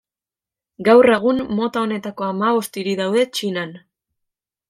Gaur egun mota honetako hamabost hiri daude Txinan.